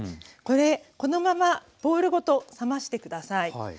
これこのままボウルごと冷まして下さい。